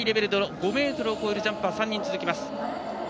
５ｍを超えるジャンプが３人続きます。